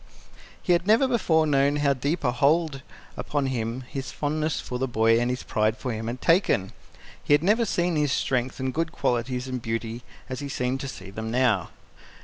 He had never before known how deep a hold upon him his fondness for the boy and his pride in him had taken. He had never seen his strength and good qualities and beauty as he seemed to see them now.